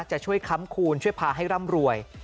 จะช่วยค้ำคูณช่วยพาให้ร่ำรวย